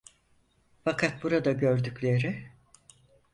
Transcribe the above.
Fakat burada gördükleri…